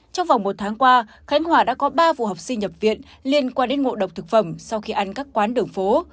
trong vòng một tháng qua khánh hòa đã có ba vụ học sinh nhập viện liên quan đến ngộ độc thực phẩm sau khi ăn các quán đường phố